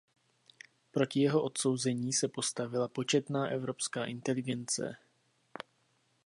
Proti jeho odsouzení se postavila početná evropská inteligence.